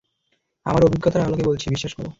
আমার অভিজ্ঞতার আলোকে বলছি, বিশ্বাস করো!